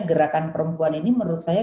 gerakan perempuan ini menurut saya